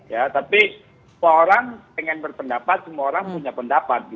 ya tapi semua orang ingin berpendapat semua orang punya pendapat